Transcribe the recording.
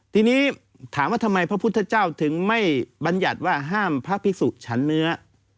ทีนี้ถามว่าทำไมพระพุทธเจ้าถึงไม่บรรยัติว่าห้ามพระภิกษุฉันเนื้อ